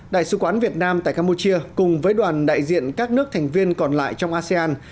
đại sứ quán việt nam tại campuchia cùng với đoàn đại diện các nước thành viên còn lại trong asean